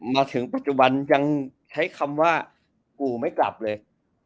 มาถึงปัจจุบันยังใช้คำว่ากูไม่กลับเลย